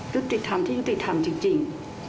ยุติธรรมที่ยุติธรรมจริง